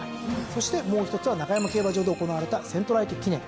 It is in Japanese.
そしてもう一つは中山競馬場で行われたセントライト記念。